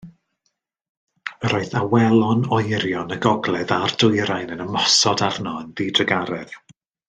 Yr oedd awelon oerion y gogledd a'r dwyrain yn ymosod arno yn ddidrugaredd.